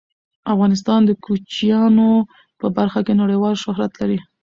افغانستان د کوچیانو په برخه کې نړیوال شهرت لري.